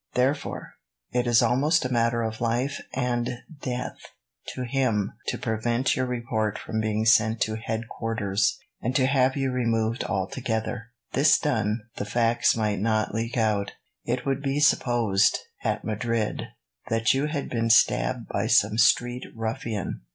Therefore, it is almost a matter of life and death to him to prevent your report from being sent to headquarters, and to have you removed altogether. This done, the facts might not leak out. It would be supposed, at Madrid, that you had been stabbed by some street ruffian.